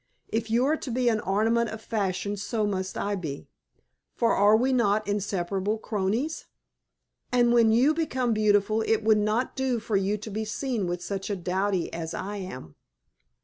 If you are to be an ornament of fashion, so must I be; for are we not inseparable cronies? And when you become beautiful it would not do for you to be seen with such a dowdy as I am."